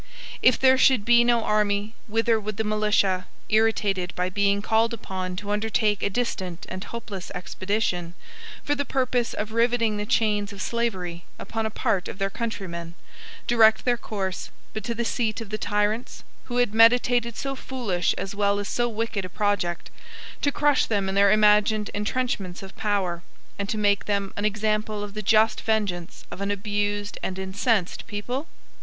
If there should be no army, whither would the militia, irritated by being called upon to undertake a distant and hopeless expedition, for the purpose of riveting the chains of slavery upon a part of their countrymen, direct their course, but to the seat of the tyrants, who had meditated so foolish as well as so wicked a project, to crush them in their imagined intrenchments of power, and to make them an example of the just vengeance of an abused and incensed people?